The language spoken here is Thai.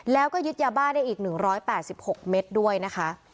แล้วก็ยึดยาบ้าได้อีก๑๘๖เมตรด้วยนะคะ